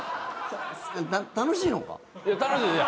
楽しいのか？